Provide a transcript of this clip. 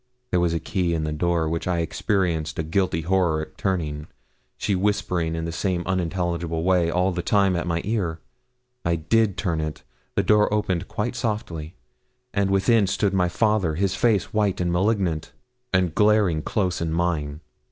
There was a key in the door, which I experienced a guilty horror at turning, she whispering in the same unintelligible way, all the time, at my ear. I did turn it; the door opened quite softly, and within stood my father, his face white and malignant, and glaring close in mine.